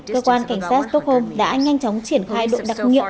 cơ quan cảnh sát stockholm đã nhanh chóng triển khai đội đặc nghiệm